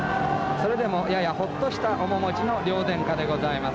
それでもややホッとした面持ちの両殿下でございます」。